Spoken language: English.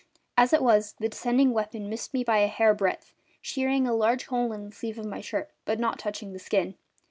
As it was, the descending weapon missed me by a hair breadth, shearing a large hole in the sleeve of my shirt but not touching the skin.